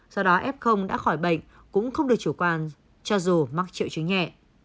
do đó f đã khỏi bệnh cũng không được chủ quan cho dù mắc triệu chứng nhẹ